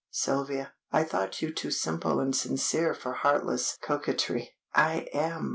Sylvia, I thought you too simple and sincere for heartless coquetry." "I am!